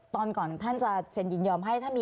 ตอนก่อนท่านจะเชียญยอมให้